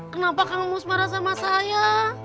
kenapa kamus marah sama saya